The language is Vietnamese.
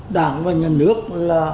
đảng và nhà nước là